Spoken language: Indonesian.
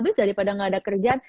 abis daripada gak ada kerjaan